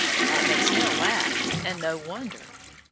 That makes Nell laugh, and no wonder.